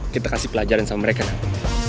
kita kasih pelajaran sama mereka nanti